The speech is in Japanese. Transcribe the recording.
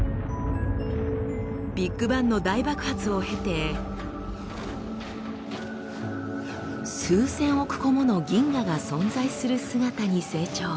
ビッグバンの大爆発を経て数千億個もの銀河が存在する姿に成長。